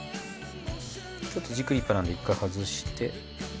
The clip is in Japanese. ちょっと軸立派なんで１回外して。